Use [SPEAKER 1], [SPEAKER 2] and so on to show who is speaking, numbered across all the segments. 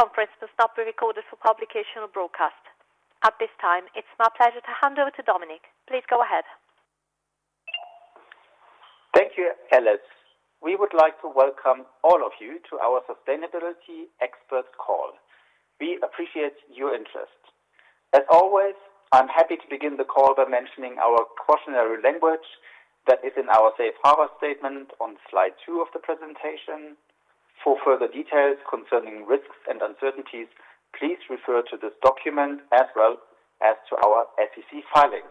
[SPEAKER 1] The conference will stop being recorded for publication or broadcast. At this time, it's my pleasure to hand over to Dominik. Please go ahead.
[SPEAKER 2] Thank you, Ellis. We would like to welcome all of you to our Sustainability Expert Call. We appreciate your interest. As always, I'm happy to begin the call by mentioning our cautionary language that is in our Safe Harbor Statement on slide two of the presentation. For further details concerning risks and uncertainties, please refer to this document as well as to our SEC filings.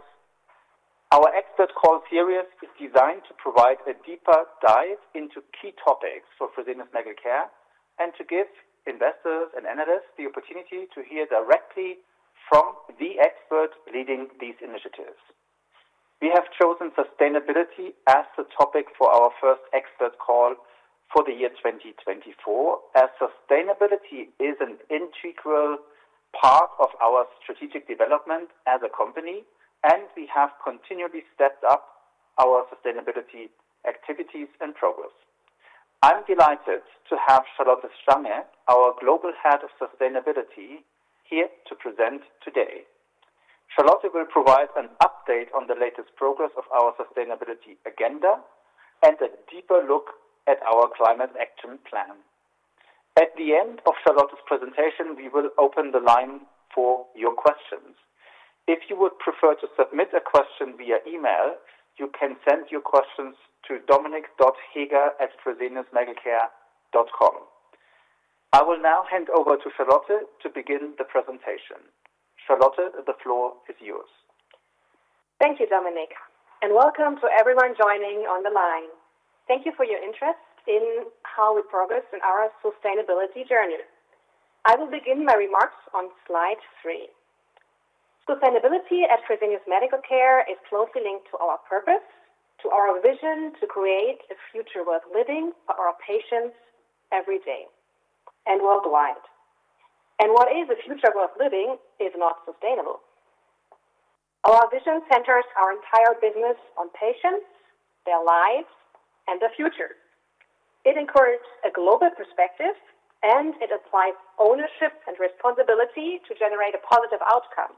[SPEAKER 2] Our Expert Call series is designed to provide a deeper dive into key topics for Fresenius Medical Care and to give investors and analysts the opportunity to hear directly from the experts leading these initiatives. We have chosen sustainability as the topic for our first Expert Call for the year 2024, as sustainability is an integral part of our strategic development as a company, and we have continually stepped up our sustainability activities and progress. I'm delighted to have Charlotte Stange, our Global Head of Sustainability, here to present today. Charlotte will provide an update on the latest progress of our sustainability agenda and a deeper look at our Climate Action Plan. At the end of Charlotte's presentation, we will open the line for your questions. If you would prefer to submit a question via email, you can send your questions to dominik.heger@freseniusmedicalcare.com. I will now hand over to Charlotte to begin the presentation. Charlotte, the floor is yours.
[SPEAKER 3] Thank you, Dominik, and welcome to everyone joining on the line. Thank you for your interest in how we progress in our sustainability journey. I will begin my remarks on slide three. Sustainability at Fresenius Medical Care is closely linked to our purpose, to our vision to create a future worth living for our patients every day and worldwide. And what is a future worth living is not sustainable. Our vision centers our entire business on patients, their lives, and the future. It encourages a global perspective, and it applies ownership and responsibility to generate a positive outcome.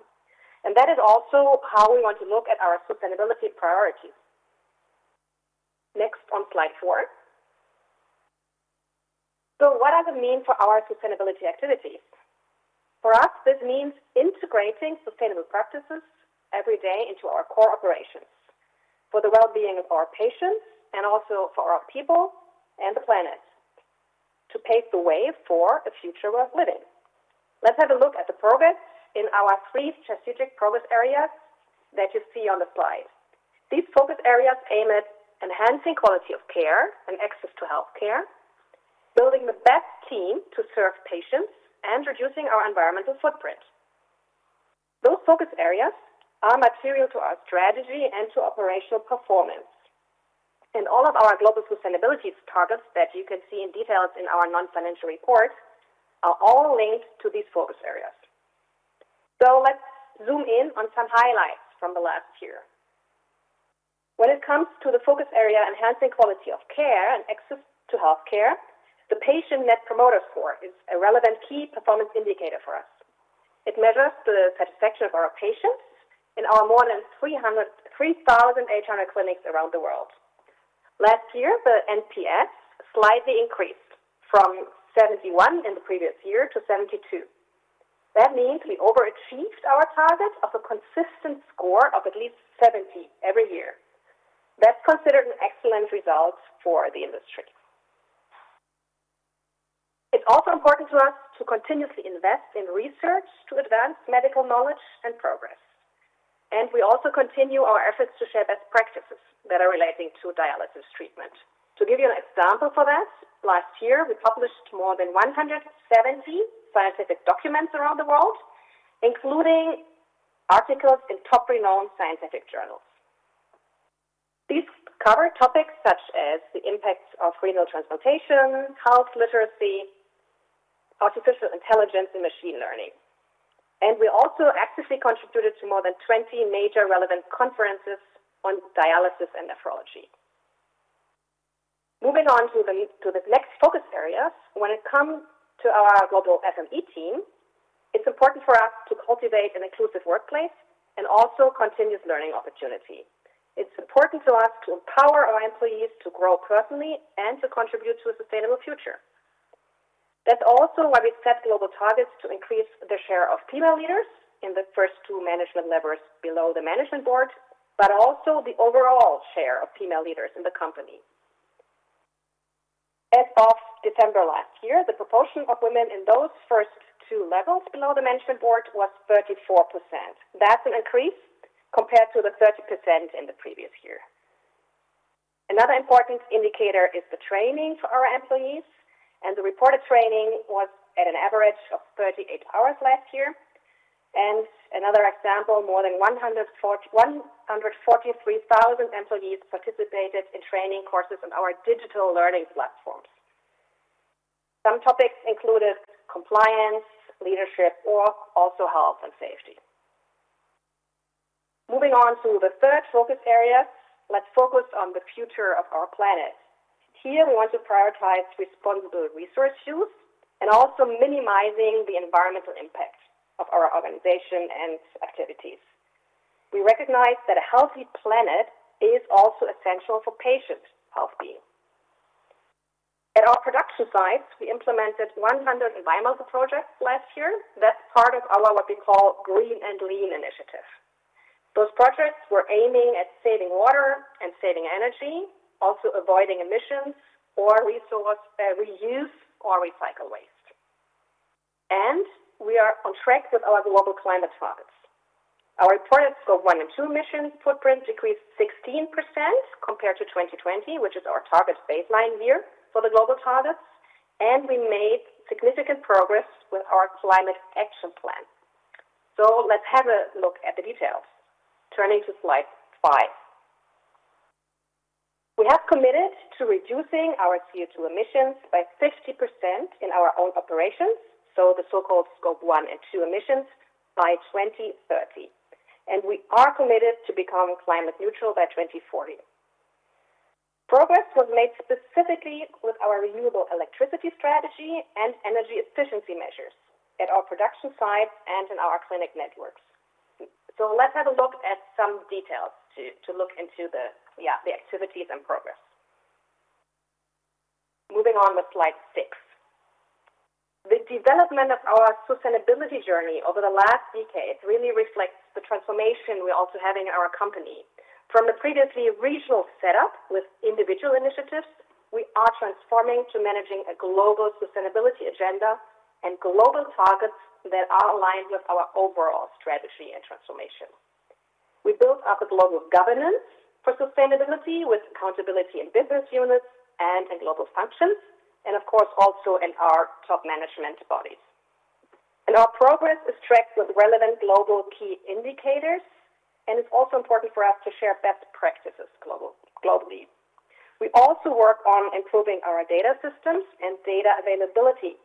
[SPEAKER 3] And that is also how we want to look at our sustainability priorities. Next, on slide four. So what does it mean for our sustainability activities? For us, this means integrating sustainable practices every day into our core operations for the well-being of our patients and also for our people and the planet to pave the way for a future worth living. Let's have a look at the progress in our three strategic progress areas that you see on the slide. These focus areas aim at enhancing quality of care and access to healthcare, building the best team to serve patients, and reducing our environmental footprint. Those focus areas are material to our strategy and to operational performance. All of our global sustainability targets that you can see in details in our non-financial report are all linked to these focus areas. Let's zoom in on some highlights from the last year. When it comes to the focus area enhancing quality of care and access to healthcare, the Patient Net Promoter Score is a relevant key performance indicator for us. It measures the satisfaction of our patients in our more than 3,800 clinics around the world. Last year, the NPS slightly increased from 71 in the previous year to 72. That means we overachieved our target of a consistent score of at least 70 every year. That's considered an excellent result for the industry. It's also important to us to continuously invest in research to advance medical knowledge and progress. And we also continue our efforts to share best practices that are relating to dialysis treatment. To give you an example for that, last year, we published more than 170 scientific documents around the world, including articles in top-renowned scientific journals. These cover topics such as the impact of renal transplantation, health literacy, artificial intelligence, and machine learning. We also actively contributed to more than 20 major relevant conferences on dialysis and nephrology. Moving on to the next focus areas, when it comes to our global FME team, it's important for us to cultivate an inclusive workplace and also continuous learning opportunity. It's important to us to empower our employees to grow personally and to contribute to a sustainable future. That's also why we set global targets to increase the share of female leaders in the first two management levels below the management board, but also the overall share of female leaders in the company. As of December last year, the proportion of women in those first two levels below the management board was 34%. That's an increase compared to the 30% in the previous year. Another important indicator is the training for our employees. The reported training was at an average of 38 hours last year. Another example, more than 143,000 employees participated in training courses on our digital learning platforms. Some topics included compliance, leadership, or also health and safety. Moving on to the third focus area, let's focus on the future of our planet. Here, we want to prioritize responsible resource use and also minimizing the environmental impact of our organization and activities. We recognize that a healthy planet is also essential for patient health. At our production sites, we implemented 100 environmental projects last year. That's part of our what we call Green and Lean initiative. Those projects were aiming at saving water and saving energy, also avoiding emissions or resource reuse or recycled waste. We are on track with our global climate targets. Our reported Scope 1 and 2 emission footprint decreased 16% compared to 2020, which is our target baseline year for the global targets. We made significant progress with our Climate Action Plan. Let's have a look at the details. Turning to slide five. We have committed to reducing our CO2 emissions by 50% in our own operations, so the so-called Scope 1 and 2 emissions by 2030. We are committed to becoming Climate Neutral by 2040. Progress was made specifically with our renewable electricity strategy and energy efficiency measures at our production sites and in our clinic networks. Let's have a look at some details to look into the activities and progress. Moving on with slide six. The development of our sustainability journey over the last decade really reflects the transformation we're also having in our company. From a previously regional setup with individual initiatives, we are transforming to managing a global sustainability agenda and global targets that are aligned with our overall strategy and transformation. We built up a global governance for sustainability with accountability and business units and in global functions, and of course, also in our top management bodies. Our progress is tracked with relevant global key indicators. It's also important for us to share best practices globally. We also work on improving our data systems and data availability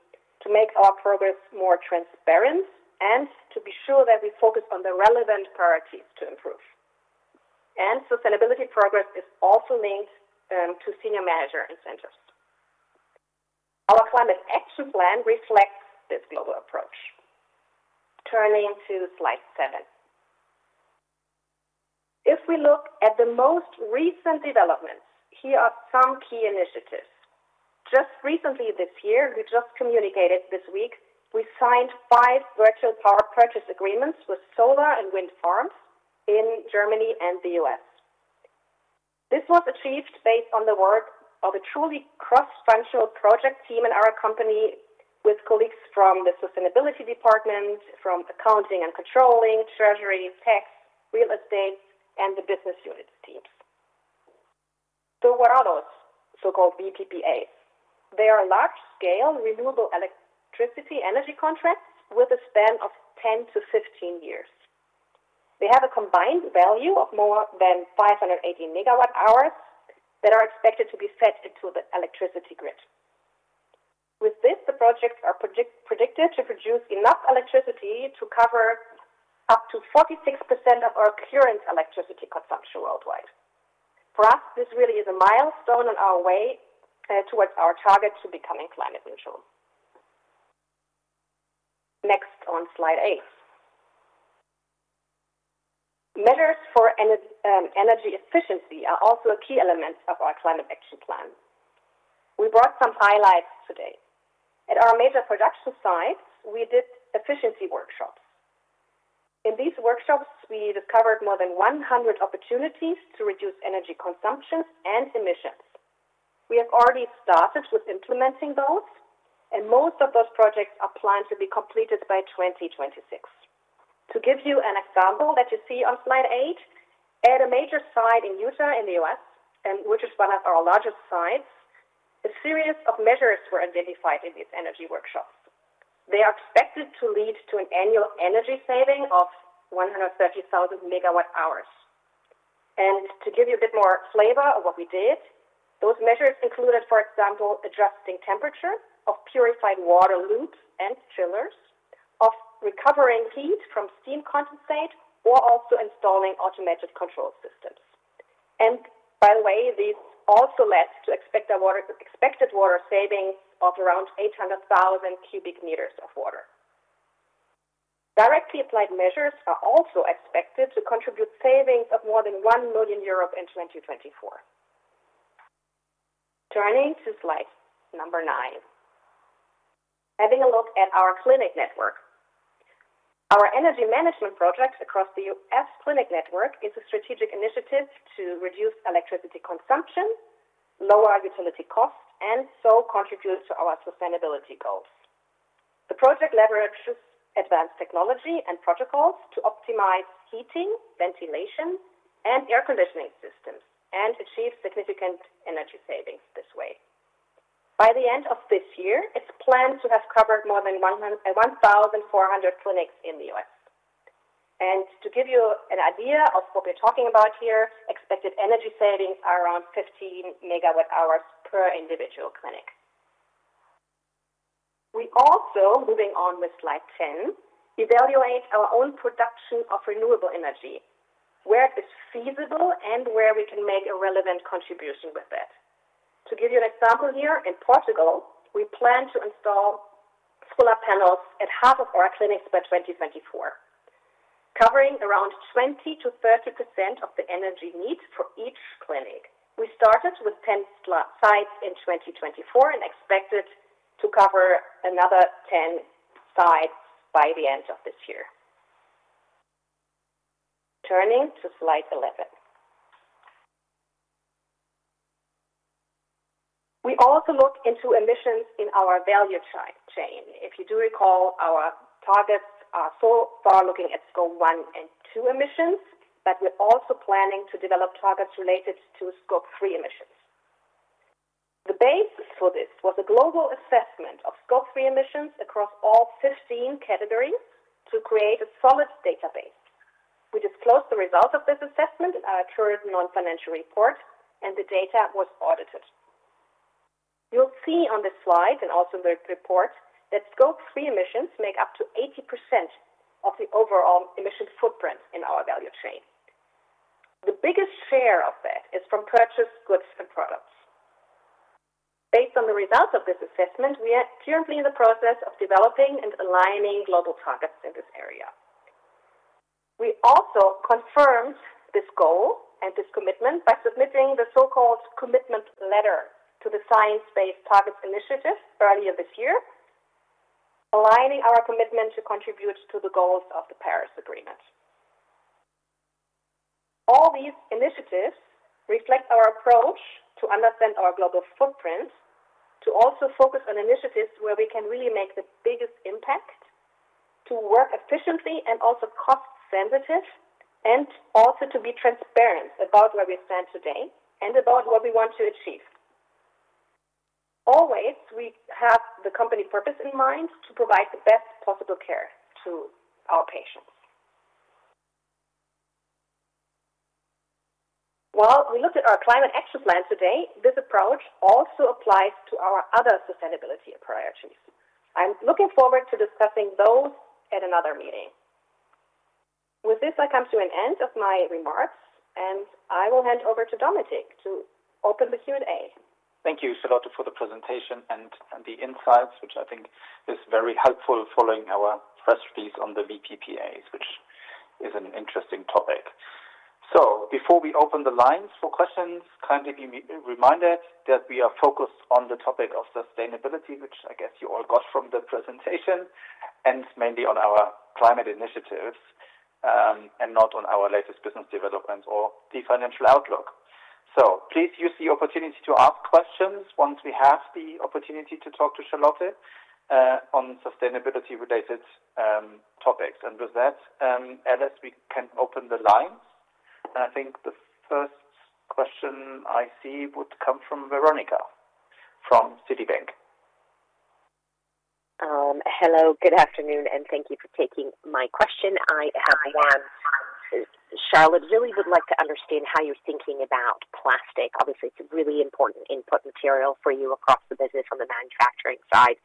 [SPEAKER 3] to make our progress more transparent and to be sure that we focus on the relevant priorities to improve. Sustainability progress is also linked to senior manager incentives. Our climate action plan reflects this global approach. Turning to slide seven. If we look at the most recent developments, here are some key initiatives. Just recently this year, we just communicated this week, we signed five virtual power purchase agreements with solar and wind farms in Germany and the US. This was achieved based on the work of a truly cross-functional project team in our company with colleagues from the sustainability department, from accounting and controlling, treasury, tax, real estate, and the business unit teams. So what are those so-called VPPAs? They are large-scale renewable electricity energy contracts with a span of 10-15 years. They have a combined value of more than 580 megawatt hours that are expected to be fed into the electricity grid. With this, the projects are predicted to produce enough electricity to cover up to 46% of our current electricity consumption worldwide. For us, this really is a milestone on our way towards our target to becoming climate neutral. Next, on slide eight. Measures for energy efficiency are also a key element of our Climate Action Plan. We brought some highlights today. At our major production sites, we did efficiency workshops. In these workshops, we discovered more than 100 opportunities to reduce energy consumption and emissions. We have already started with implementing those, and most of those projects are planned to be completed by 2026. To give you an example that you see on slide eight, at a major site in Utah in the U.S., which is one of our largest sites, a series of measures were identified in these energy workshops. They are expected to lead to an annual energy saving of 130,000 MWh. To give you a bit more flavor of what we did, those measures included, for example, adjusting temperature of purified water loops and chillers, of recovering heat from steam condensate, or also installing automated control systems. By the way, these also led to expected water savings of around 800,000 cubic meters of water. Directly applied measures are also expected to contribute savings of more than 1 million euros in 2024. Turning to slide number nine. Having a look at our clinic network. Our energy management project across the U.S. clinic network is a strategic initiative to reduce electricity consumption, lower utility costs, and so contribute to our sustainability goals. The project leverages advanced technology and protocols to optimize heating, ventilation, and air conditioning systems and achieve significant energy savings this way. By the end of this year, it's planned to have covered more than 1,400 clinics in the U.S. To give you an idea of what we're talking about here, expected energy savings are around 15 MWh per individual clinic. We also, moving on with slide 10, evaluate our own production of renewable energy, where it is feasible and where we can make a relevant contribution with that. To give you an example here, in Portugal, we plan to install solar panels at half of our clinics by 2024, covering around 20%-30% of the energy needs for each clinic. We started with 10 sites in 2024 and expected to cover another 10 sites by the end of this year. Turning to slide 11. We also look into emissions in our value chain. If you do recall, our targets are so far looking at Scope 1 and 2 emissions, but we're also planning to develop targets related to Scope 3 emissions. The basis for this was a global assessment of Scope 3 Emissions across all 15 categories to create a solid database. We disclosed the results of this assessment in our current non-financial report, and the data was audited. You'll see on this slide and also in the report that Scope 3 Emissions make up to 80% of the overall emission footprint in our value chain. The biggest share of that is from purchased goods and products. Based on the results of this assessment, we are currently in the process of developing and aligning global targets in this area. We also confirmed this goal and this commitment by submitting the so-called commitment letter to the Science-Based Targets Initiative earlier this year, aligning our commitment to contribute to the goals of the Paris Agreement. All these initiatives reflect our approach to understand our global footprint, to also focus on initiatives where we can really make the biggest impact, to work efficiently and also cost-sensitive, and also to be transparent about where we stand today and about what we want to achieve. Always, we have the company purpose in mind to provide the best possible care to our patients. While we looked at our climate action plan today, this approach also applies to our other sustainability priorities. I'm looking forward to discussing those at another meeting. With this, I come to an end of my remarks, and I will hand over to Dominic to open the Q&A.
[SPEAKER 2] Thank you, Charlotte, for the presentation and the insights, which I think is very helpful following our press release on the VPPAs, which is an interesting topic. So before we open the lines for questions, kindly be reminded that we are focused on the topic of sustainability, which I guess you all got from the presentation, and mainly on our climate initiatives and not on our latest business developments or the financial outlook. So please use the opportunity to ask questions once we have the opportunity to talk to Charlotte on sustainability-related topics. And with that, Ellis, we can open the lines. And I think the first question I see would come from Veronika from Citi.
[SPEAKER 4] Hello, good afternoon, and thank you for taking my question. I have one. Charlotte, really would like to understand how you're thinking about plastic. Obviously, it's a really important input material for you across the business on the manufacturing side.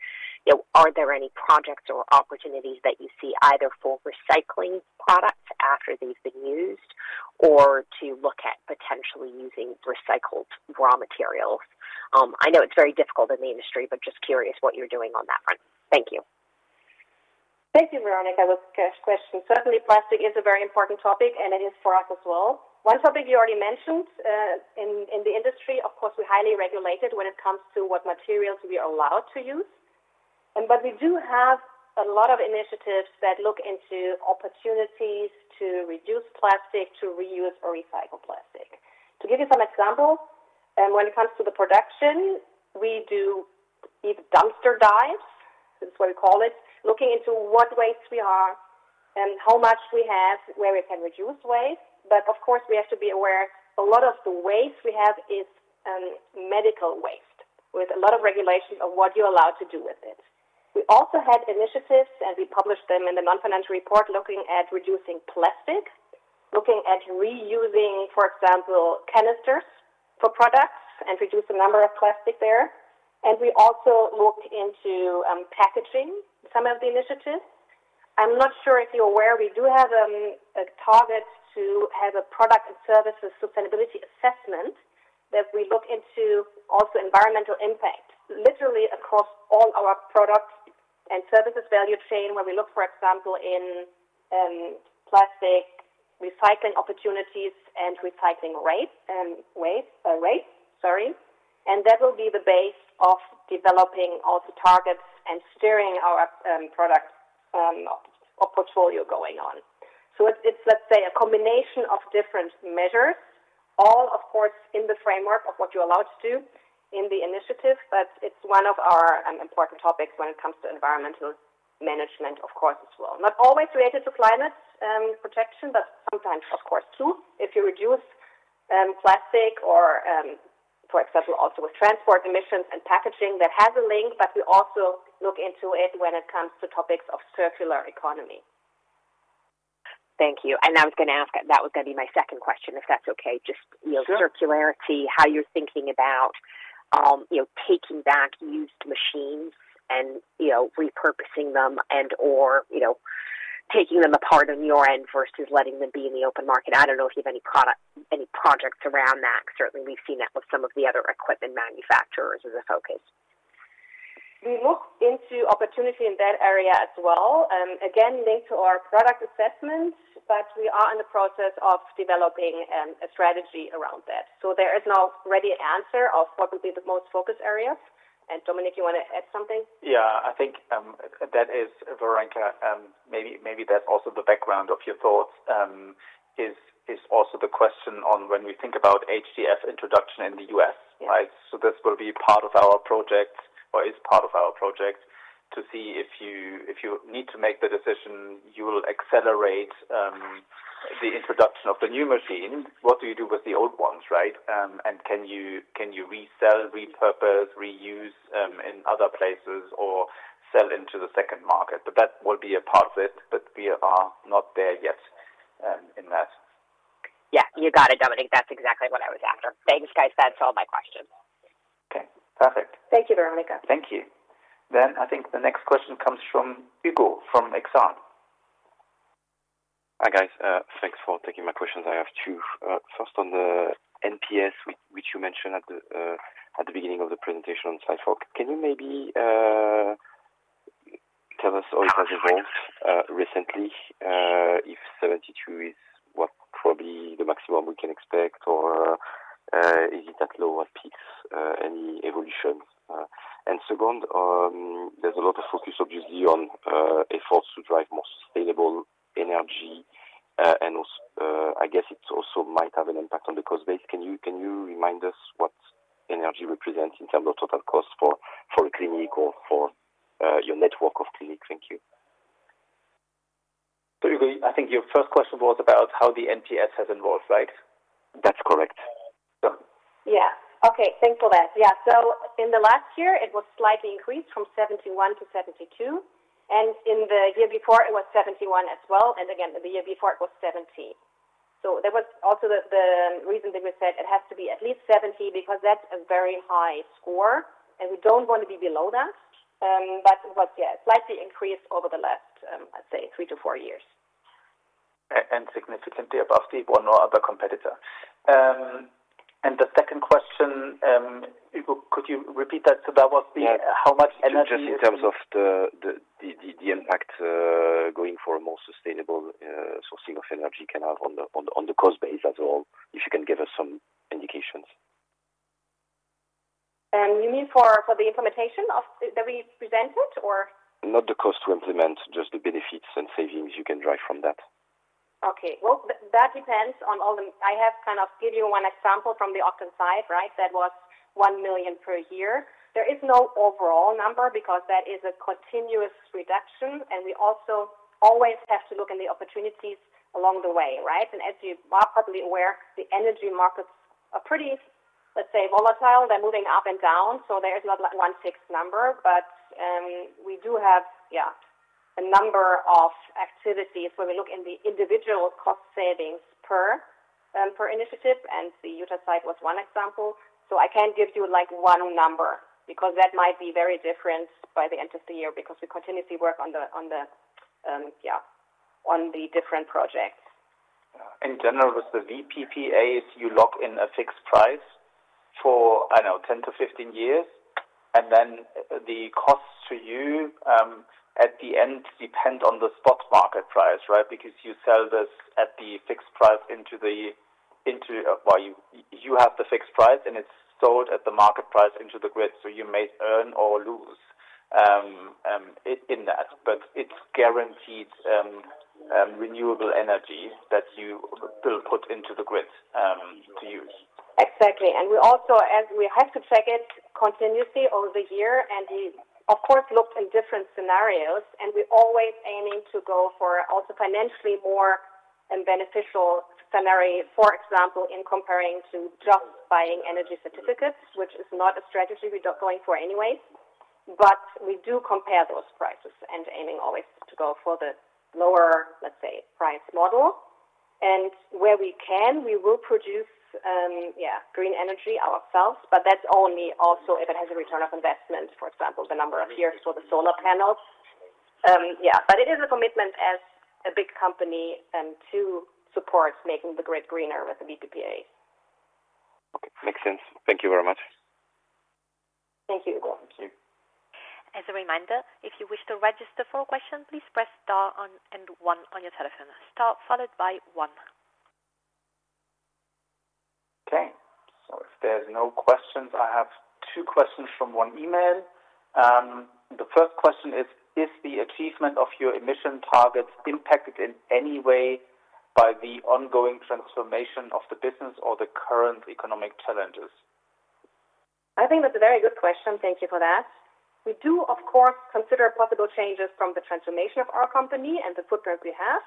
[SPEAKER 4] Are there any projects or opportunities that you see either for recycling products after they've been used or to look at potentially using recycled raw materials? I know it's very difficult in the industry, but just curious what you're doing on that front. Thank you.
[SPEAKER 3] Thank you, Veronika. That's a good question. Certainly, plastic is a very important topic, and it is for us as well. One topic you already mentioned in the industry, of course, we're highly regulated when it comes to what materials we are allowed to use. But we do have a lot of initiatives that look into opportunities to reduce plastic, to reuse or recycle plastic. To give you some examples, when it comes to the production, we do dumpster dives, this is what we call it, looking into what waste we have and how much we have, where we can reduce waste. But of course, we have to be aware a lot of the waste we have is medical waste with a lot of regulation of what you're allowed to do with it. We also had initiatives, and we published them in the non-financial report looking at reducing plastic, looking at reusing, for example, canisters for products and reduce the number of plastic there. And we also looked into packaging some of the initiatives. I'm not sure if you're aware, we do have a target to have a product and services sustainability assessment that we look into also environmental impact, literally across all our product and services value chain where we look, for example, in plastic recycling opportunities and recycling rates, sorry. And that will be the base of developing all the targets and steering our product portfolio going on. So it's, let's say, a combination of different measures, all, of course, in the framework of what you're allowed to do in the initiative, but it's one of our important topics when it comes to environmental management, of course, as well. Not always related to climate protection, but sometimes, of course, too. If you reduce plastic or, for example, also with transport emissions and packaging, that has a link, but we also look into it when it comes to topics of circular economy.
[SPEAKER 4] Thank you. And I was going to ask that was going to be my second question, if that's okay. Just circularity, how you're thinking about taking back used machines and repurposing them and/or taking them apart on your end versus letting them be in the open market. I don't know if you have any projects around that. Certainly, we've seen that with some of the other equipment manufacturers as a focus.
[SPEAKER 3] We looked into opportunity in that area as well, again, linked to our product assessment, but we are in the process of developing a strategy around that. So there is no ready answer of what would be the most focus areas. And Dominik, you want to add something?
[SPEAKER 2] Yeah, I think that is, Veronika, maybe that's also the background of your thoughts is also the question on when we think about HDF introduction in the U.S., right? So this will be part of our project or is part of our project to see if you need to make the decision, you will accelerate the introduction of the new machine. What do you do with the old ones, right? And can you resell, repurpose, reuse in other places or sell into the second market? But that will be a part of it, but we are not there yet in that.
[SPEAKER 4] Yeah, you got it, Dominic. That's exactly what I was after. Thanks, guys. That's all my questions.
[SPEAKER 2] Okay. Perfect.
[SPEAKER 3] Thank you, Veronika.
[SPEAKER 2] Thank you. Then I think the next question comes from Hugo from Exane.
[SPEAKER 5] Hi, guys. Thanks for taking my questions. I have two. First, on the NPS, which you mentioned at the beginning of the presentation on slide four, can you maybe tell us how it has evolved recently? If 72 is what probably the maximum we can expect, or is it at lower peaks, any evolution? And second, there's a lot of focus, obviously, on efforts to drive more sustainable energy. And I guess it also might have an impact on the cost base. Can you remind us what energy represents in terms of total cost for a clinic or for your network of clinics? Thank you.
[SPEAKER 2] Hugo, I think your first question was about how the NPS has evolved, right?
[SPEAKER 5] That's correct.
[SPEAKER 3] Yeah. Okay. Thanks for that. Yeah. So in the last year, it was slightly increased from 71 to 72. And in the year before, it was 71 as well. And again, in the year before, it was 70. So that was also the reason that we said it has to be at least 70 because that's a very high score, and we don't want to be below that. But it was, yeah, slightly increased over the last, I'd say, 3 to 4 years.
[SPEAKER 2] And significantly above the one or other competitor. And the second question, Hugo, could you repeat that? So that was how much energy?
[SPEAKER 5] Just in terms of the impact going for a more sustainable sourcing of energy can have on the cost base as well, if you can give us some indications.
[SPEAKER 3] You mean for the implementation that we presented, or?
[SPEAKER 5] Not the cost to implement, just the benefits and savings you can drive from that.
[SPEAKER 3] Okay. Well, that depends on all the I have kind of given you one example from the Ogden site, right? That was 1 million per year. There is no overall number because that is a continuous reduction, and we also always have to look at the opportunities along the way, right? And as you are probably aware, the energy markets are pretty, let's say, volatile. They're moving up and down, so there is not one fixed number. But we do have, yeah, a number of activities where we look in the individual cost savings per initiative, and the Utah site was one example. So I can't give you one number because that might be very different by the end of the year because we continuously work on the, yeah, on the different projects.
[SPEAKER 5] In general, with the VPPAs, you lock in a fixed price for, I don't know, 10-15 years. And then the costs to you at the end depend on the spot market price, right? Because you sell this at the fixed price into the, well, you have the fixed price, and it's sold at the market price into the grid. So you may earn or lose in that. But it's guaranteed renewable energy that you put into the grid to use.
[SPEAKER 3] Exactly. And we also, as we have to check it continuously over the year, and we, of course, looked in different scenarios, and we're always aiming to go for also financially more beneficial scenarios, for example, in comparing to just buying energy certificates, which is not a strategy we're going for anyway. But we do compare those prices and aiming always to go for the lower, let's say, price model. And where we can, we will produce, yeah, green energy ourselves, but that's only also if it has a return of investment, for example, the number of years for the solar panels. Yeah. But it is a commitment as a big company to support making the grid greener with the VPPAs.
[SPEAKER 5] Okay. Makes sense. Thank you very much.
[SPEAKER 3] Thank you, Hugo.
[SPEAKER 2] Thank you.
[SPEAKER 3] As a reminder, if you wish to register for a question, please press star and one on your telephone. Star followed by one.
[SPEAKER 2] Okay. So if there's no questions, I have two questions from one email. The first question is, is the achievement of your emission targets impacted in any way by the ongoing transformation of the business or the current economic challenges?
[SPEAKER 3] I think that's a very good question. Thank you for that. We do, of course, consider possible changes from the transformation of our company and the footprint we have.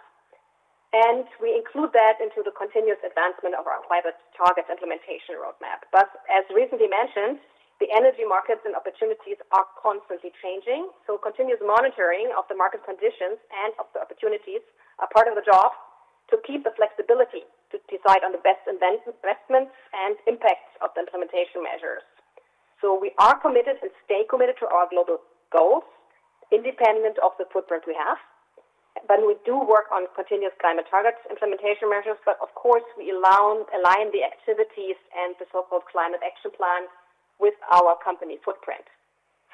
[SPEAKER 3] And we include that into the continuous advancement of our climate targets implementation roadmap. But as recently mentioned, the energy markets and opportunities are constantly changing. So continuous monitoring of the market conditions and of the opportunities are part of the job to keep the flexibility to decide on the best investments and impacts of the implementation measures. So we are committed and stay committed to our global goals, independent of the footprint we have. But we do work on continuous climate targets implementation measures. But of course, we align the activities and the so-called climate action plan with our company footprint.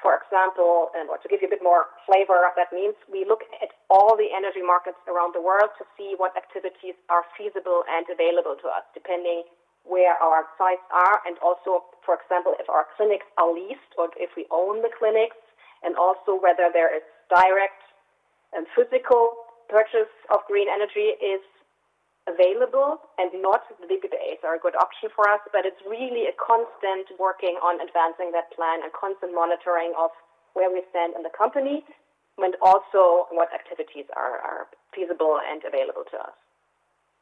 [SPEAKER 3] For example, and to give you a bit more flavor of what that means, we look at all the energy markets around the world to see what activities are feasible and available to us, depending where our sites are. And also, for example, if our clinics are leased or if we own the clinics, and also whether there is direct and physical purchase of green energy is available and not. The VPPAs are a good option for us, but it's really a constant working on advancing that plan and constant monitoring of where we stand in the company and also what activities are feasible and available to us.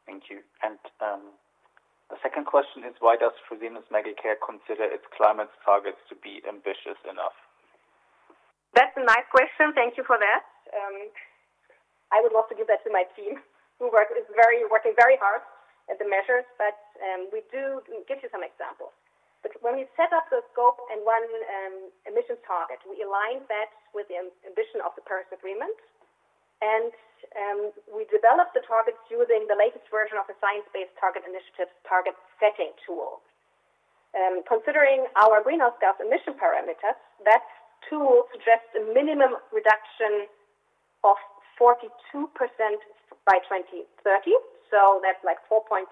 [SPEAKER 2] Thank you. The second question is, why does Fresenius Medical Care consider its climate targets to be ambitious enough?
[SPEAKER 3] That's a nice question. Thank you for that. I would love to give that to my team, who is working very hard at the measures, but we do give you some examples. When we set up the Scope 1 emissions target, we align that with the ambition of the Paris Agreement. We develop the targets using the latest version of the Science Based Targets initiative target setting tool. Considering our greenhouse gas emission parameters, that tool suggests a minimum reduction of 42% by 2030. So that's like 4.2%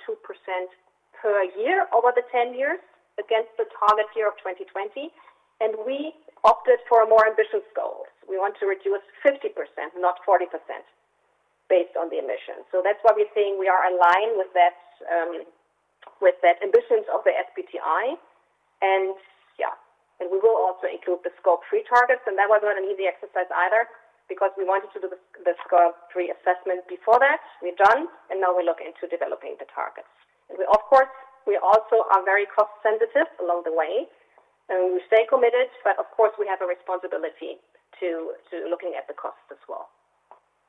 [SPEAKER 3] per year over the 10 years against the target year of 2020. And we opted for more ambitious goals. We want to reduce 50%, not 40%, based on the emissions. So that's why we're saying we are aligned with that ambition of the SBTi. And yeah, and we will also include the Scope 3 targets. And that was not an easy exercise either because we wanted to do the Scope 3 assessment before that. We're done. And now we look into developing the targets. And of course, we also are very cost-sensitive along the way. And we stay committed, but of course, we have a responsibility to looking at the costs as well.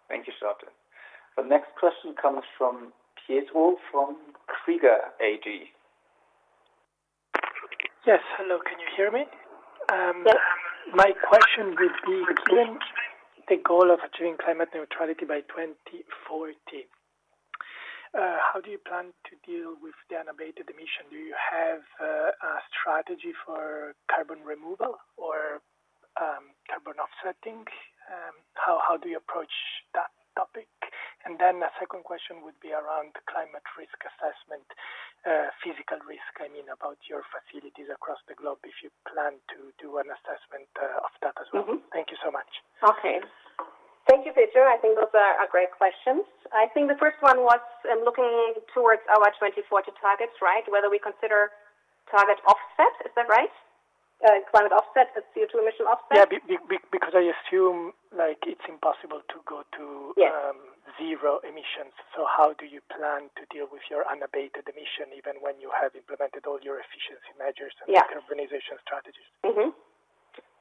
[SPEAKER 3] Thank you, Charlotte.
[SPEAKER 1] The next question comes from Pietro from Kepler Cheuvreux.
[SPEAKER 6] Yes. Hello. Can you hear me? Yes. My question would be, given the goal of achieving climate neutrality by 2040, how do you plan to deal with the unabated emission? Do you have a strategy for carbon removal or carbon offsetting? How do you approach that topic? And then a second question would be around climate risk assessment, physical risk, I mean, about your facilities across the globe if you plan to do an assessment of that as well. Thank you so much.
[SPEAKER 3] Okay. Thank you, Pietro. I think those are great questions. I think the first one was looking towards our 2040 targets, right? Whether we consider target offset, is that right? Climate offset, CO2 emission offset.
[SPEAKER 6] Yeah, because I assume it's impossible to go to zero emissions. So how do you plan to deal with your unabated emission even when you have implemented all your efficiency measures and decarbonization strategies?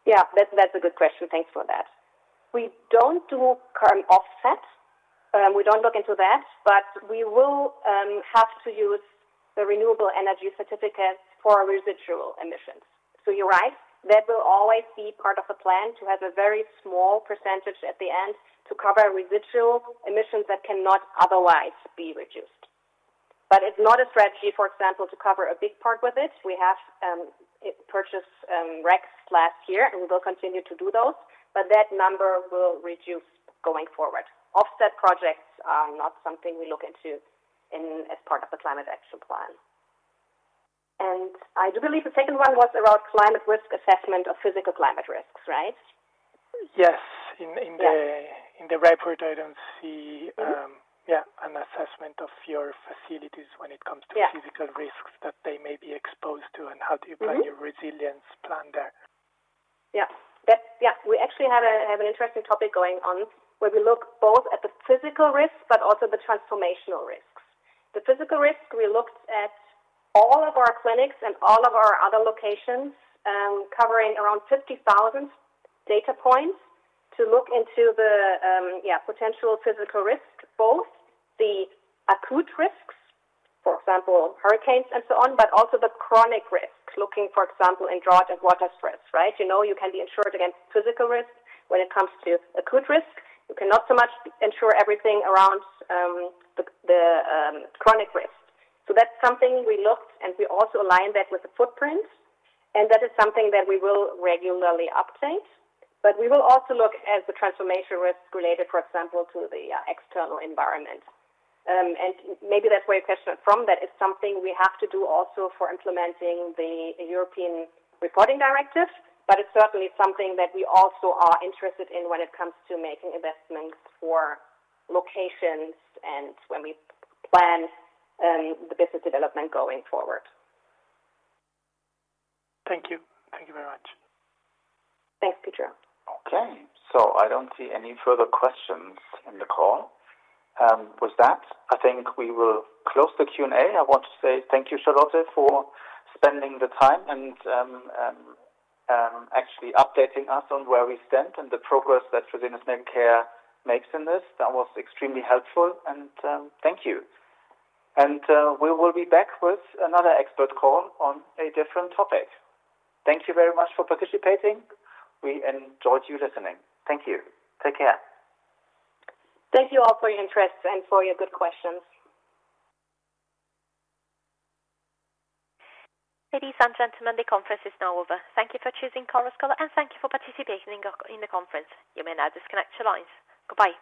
[SPEAKER 3] Yeah. That's a good question. Thanks for that. We don't do carbon offset. We don't look into that, but we will have to use the renewable energy certificate for residual emissions. So you're right. That will always be part of the plan to have a very small percentage at the end to cover residual emissions that cannot otherwise be reduced. But it's not a strategy, for example, to cover a big part with it. We have purchased RECs last year, and we will continue to do those. But that number will reduce going forward. Offset projects are not something we look into as part of the Climate Action Plan. And I do believe the second one was around climate risk assessment of physical climate risks, right?
[SPEAKER 6] Yes. In the report, I don't see, yeah, an assessment of your facilities when it comes to physical risks that they may be exposed to, and how do you plan your resilience plan there?
[SPEAKER 3] Yeah. Yeah. We actually have an interesting topic going on where we look both at the physical risks but also the transformational risks. The physical risk, we looked at all of our clinics and all of our other locations covering around 50,000 data points to look into the, yeah, potential physical risk, both the acute risks, for example, hurricanes and so on, but also the chronic risks, looking, for example, in drought and water stress, right? You know you can be insured against physical risk. When it comes to acute risk, you cannot so much insure everything around the chronic risk. So that's something we looked, and we also aligned that with the footprint. And that is something that we will regularly update. But we will also look at the transformation risk related, for example, to the external environment. And maybe that's where your question from, that it's something we have to do also for implementing the European Reporting Directive. But it's certainly something that we also are interested in when it comes to making investments for locations and when we plan the business development going forward.
[SPEAKER 6] Thank you. Thank you very much.
[SPEAKER 3] Thanks, Pietro.
[SPEAKER 2] Okay. So I don't see any further questions in the call. With that, I think we will close the Q&A. I want to say thank you, Charlotte, for spending the time and actually updating us on where we stand and the progress that Fresenius Medical Care makes in this. That was extremely helpful, and thank you. And we will be back with another expert call on a different topic. Thank you very much for participating. We enjoyed you listening. Thank you. Take care.
[SPEAKER 3] Thank you all for your interest and for your good questions.
[SPEAKER 1] Ladies and gentlemen, the conference is now over. Thank you for choosing Chorus Call, and thank you for participating in the conference. You may now disconnect your lines. Goodbye.